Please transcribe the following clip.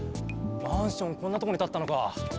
マンションこんなとこにたったのか！